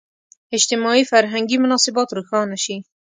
اجتماعي – فرهنګي مناسبات روښانه شي.